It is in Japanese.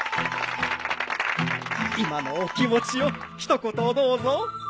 今のお気持ちを一言どうぞ。